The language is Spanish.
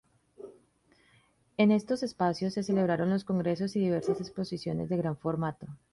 En estos espacios se celebraron los congresos y diversas exposiciones de gran formato.